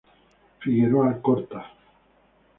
Figueroa Alcorta, Av.